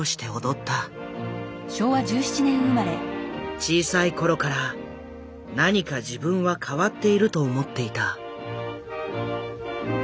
小さい頃から何か自分は変わっていると思っていた。